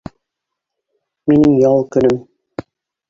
— Минең ял көнөм